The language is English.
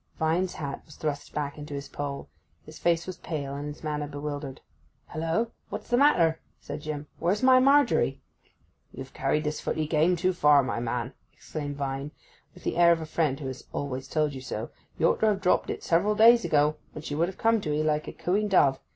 Vine's hat was thrust back into his poll. His face was pale, and his manner bewildered. 'Hullo? what's the matter?' said Jim. 'Where's my Margery?' 'You've carried this footy game too far, my man!' exclaimed Vine, with the air of a friend who has 'always told you so.' 'You ought to have dropped it several days ago, when she would have come to 'ee like a cooing dove.